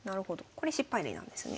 これ失敗例なんですね。